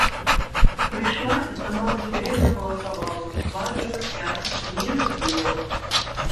Прыйшла і сама за сябе прагаласавала, зладжана, ясна і мне зразумела.